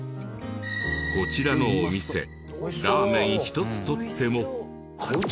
こちらのお店ラーメン１つ取っても。かよ